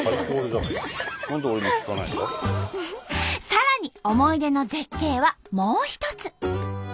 さらに思い出の絶景はもう一つ。